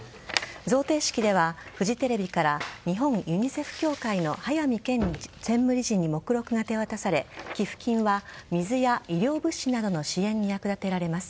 贈呈式では、フジテレビから日本ユニセフ協会の早水研専務理事に目録が手渡され寄付金は水や医療物資などの支援に役立てられます。